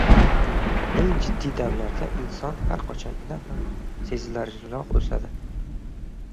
Eng jiddiy damlarda inson har qachongidan ham sezilarliroq o‘sadi.